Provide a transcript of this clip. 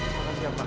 taufan siap pak